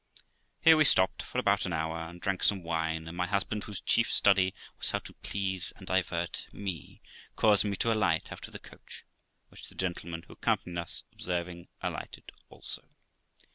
Here we stopped for about an hour, and drank some wine, and my husband, whose chief study was how to please and divert me, caused me to alight out of the coach; which the gentlemen who accompanied us ob serving, alighted also.